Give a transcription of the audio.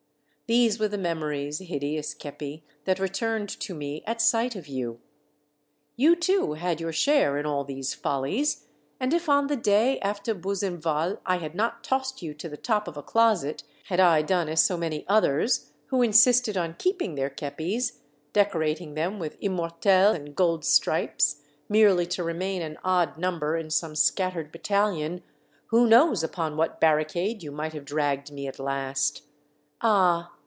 These were the memories, hideous kepi, that returned to me at sight of you. You too had your share in all these follies, and if on the day after Buzenval I had not tossed you to the top of a closet, had I done as so many others, who in sisted on keeping their kepis, decorating them with immortelles and gold stripes, merely to remain an odd number in some scattered battalion, who knows upon what barricade you might have dragged me at last? Ah!